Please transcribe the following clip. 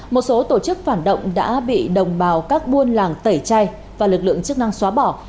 một số tổ chức phản động đã bị đồng bào các buôn làng tẩy chay và lực lượng chức năng xóa bỏ